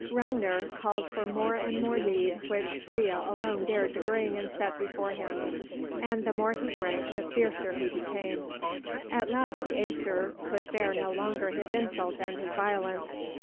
Hrungnir called for more and more mead, which Freia alone dared to bring and set before him. And the more he drank the fiercer he became. At last the Æsir could bear no longer his insults and his violence.